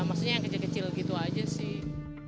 maksudnya yang kecil kecil gitu aja sih